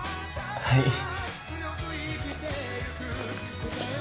はい。